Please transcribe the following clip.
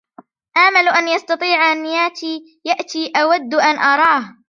آمل أن يستطيع أن يأتي! أود أن أراه.